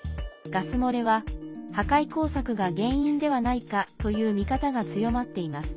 ガス漏れは破壊工作が原因ではないかという見方が強まっています。